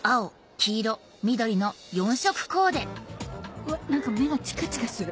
うわ何か目がチカチカする。